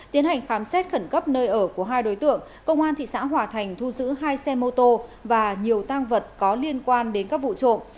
tiến hành khám xét khẩn cấp nơi ở của hai đối tượng công an thị xã hòa thành thu giữ hai xe mô tô và nhiều tang vật có liên quan đến các vụ trộm